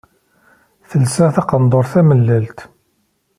Telsa taqendurt tamellalt.